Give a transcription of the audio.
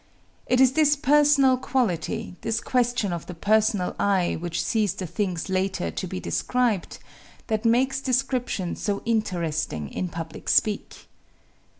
It is this personal quality this question of the personal eye which sees the things later to be described that makes description so interesting in public speech.